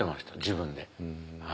自分で。